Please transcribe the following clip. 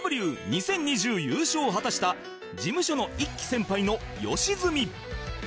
ＴＨＥＷ２０２０ 優勝を果たした事務所の１期先輩の吉住